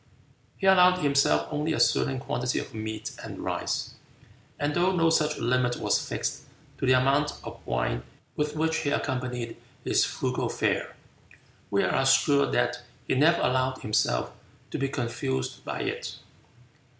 He allowed himself only a certain quantity of meat and rice, and though no such limit was fixed to the amount of wine with which he accompanied his frugal fare, we are assured that he never allowed himself to be confused by it.